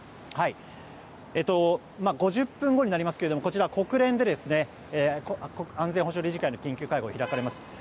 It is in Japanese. ５０分後になりますがこちら国連で安全保障理事会の緊急会合が開かれます。